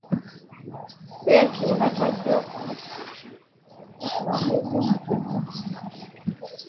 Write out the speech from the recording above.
benki inatakiwa kuhakikisha usimamizi mzuri wa akiba ya fedha za kigeni